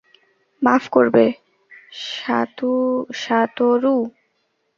মাফ করবে, সাতোরু।